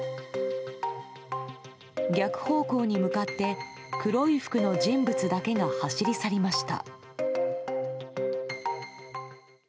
逆方向に向かって黒い服の人物だけが走り去りました。